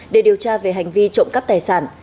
để điều tra về hành vi trộm cắp tài sản